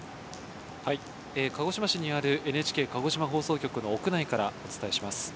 鹿児島市にあるＮＨＫ鹿児島放送局の屋内からお伝えします。